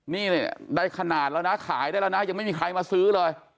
นี่ได้ขนาดแล้วนะขายได้แล้วนะยังไม่มีใครมาซื้อเลย